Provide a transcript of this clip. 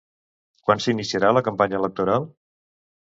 Quan s'iniciarà la campanya electoral?